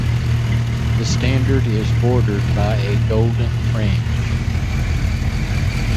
The standard is bordered by a golden fringe.